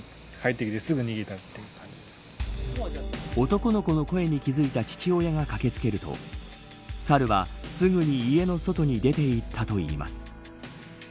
男の子の声に気付いた父親が駆けつけるとサルは、すぐに家の外に出ていったといいます。